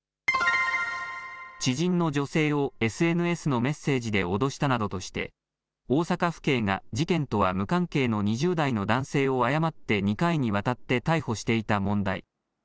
知人の女性をＳＮＳのメッセージでおどしたなどとして大阪府警が事件とは無関係の２０代の男性を誤って２回にわたって逮捕していた問題。